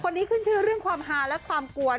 ขึ้นชื่อเรื่องความฮาและความกวน